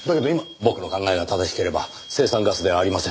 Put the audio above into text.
僕の考えが正しければ青酸ガスではありません。